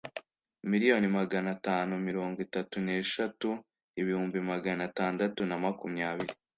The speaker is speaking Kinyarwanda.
Miliyoni magana atanu mirongo itatu n eshatu ibihumbi magana atandatu na makumyabiri